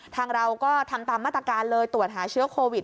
ทางเราก็ทำตามมาตรการเลยตรวจหาเชื้อโควิด